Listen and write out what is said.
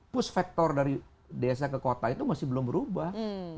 push factor dari desa ke kota itu masih belum berubah